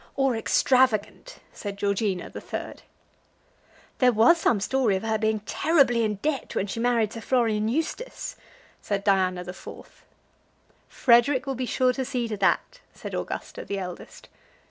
"Or extravagant," said Georgina, the third. "There was some story of her being terribly in debt when she married Sir Florian Eustace," said Diana, the fourth. "Frederic will be sure to see to that," said Augusta, the eldest.